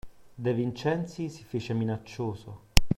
De Vincenzi si fece minaccioso.